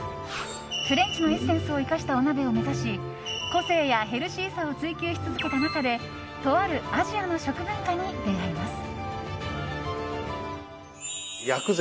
フレンチのエッセンスを生かしたお鍋を目指し個性やヘルシーさを追求し続けた中でとあるアジアの食文化に出会います。